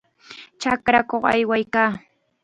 Chakrakuq aywaykaa.